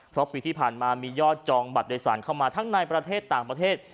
เพราะปีที่ผ่านมามียอดจองบัตรโดยสารเข้ามาทั้งในประเทศต่างประเทศ